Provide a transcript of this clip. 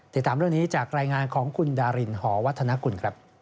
ติดตามเรื่องนี้จากรายงานของคุณดารินหอวัฒนกุลครับ